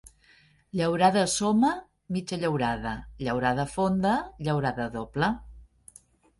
Llaurada soma, mitja llaurada; llaurada fonda, llaurada doble.